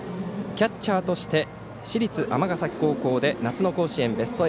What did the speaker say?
キャッチャーとして市立尼崎高校で夏の甲子園ベスト８。